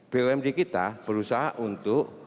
bumd kita berusaha untuk